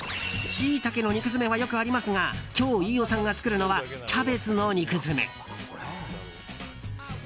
シイタケの肉詰めはよくありますが今日、飯尾さんが作るのはキャベツの肉詰め。